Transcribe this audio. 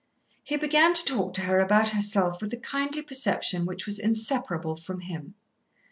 He began to talk to her about herself with the kindly perception which was inseparable from him.